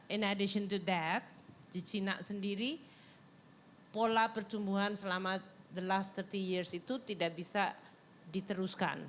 in addition to that di china sendiri pola pertumbuhan selama the last tiga puluh years itu tidak bisa diteruskan